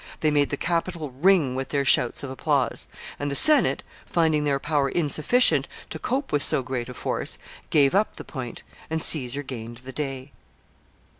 They made the Capitol ring with their shouts of applause; and the Senate, finding their power insufficient to cope with so great a force, gave up the point, and Caesar gained the day.